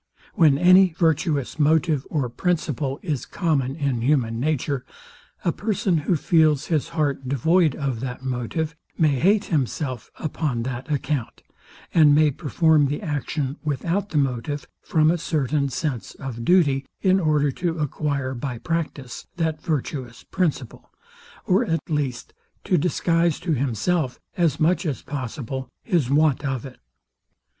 When any virtuous motive or principle is common in human nature, a person, who feels his heart devoid of that motive, may hate himself upon that account, and may perform the action without the motive, from a certain sense of duty, in order to acquire by practice, that virtuous principle, or at least, to disguise to himself, as much as possible, his want of it.